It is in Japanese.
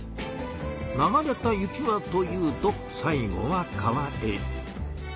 流れた雪はというと最後は川へ。